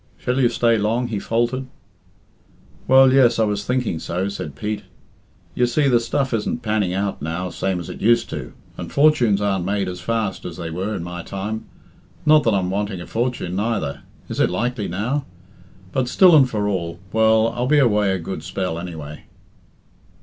"Shall you stay long?" he faltered. "Well, yes, I was thinking so," said Pete. "You see, the stuff isn't panning out now same as it used to, and fortunes aren't made as fast as they were in my time. Not that I'm wanting a fortune, neither is it likely now? But, still and for all well, I'll be away a good spell, anyway."